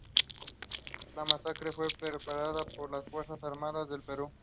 La masacre fue perpetrada por las Fuerzas Armadas del Perú.